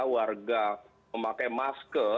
warga memakai masker